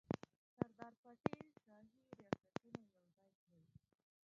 سردار پټیل شاهي ریاستونه یوځای کړل.